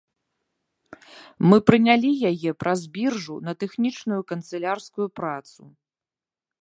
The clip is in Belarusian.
Мы прынялі яе праз біржу на тэхнічную канцылярскую працу.